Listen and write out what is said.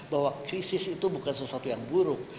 bahwa krisis itu bukan sesuatu yang buruk